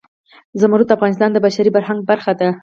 زمرد د افغانستان د بشري فرهنګ برخه ده.